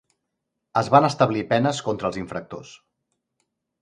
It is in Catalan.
Es van establir penes contra els infractors.